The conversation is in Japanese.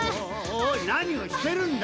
おいなにをしてるんだ？